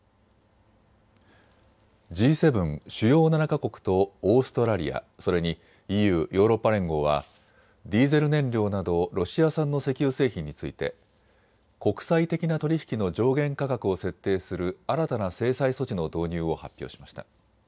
Ｇ７・主要７か国とオーストラリア、それにＥＵ・ヨーロッパ連合はディーゼル燃料などロシア産の石油製品について国際的な取り引きの上限価格を設定する新たな制裁措置の導入を発表しました。